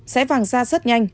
sẽ vàng da rất nhanh